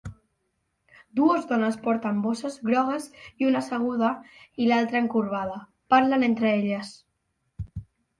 Dues dones porten bosses grogues i, una asseguda i l'altra encorbada, parlen entre elles.